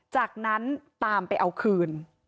จากนั้นตามไปเอาคืน